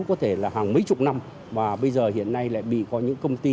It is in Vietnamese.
có thể là hàng mấy chục năm và bây giờ hiện nay lại bị có những công ty